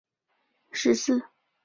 她在协定多佛密约中居功甚伟。